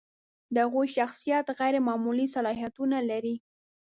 د هغوی شخصیت غیر معمولي صلاحیتونه لري.